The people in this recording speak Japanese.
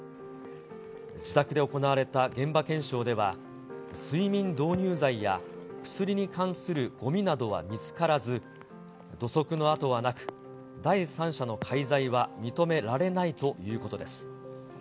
自宅で行われた現場検証では、睡眠導入剤や薬に関するごみなどは見つからず、土足の跡はなく、第三者の介在は認められないということです。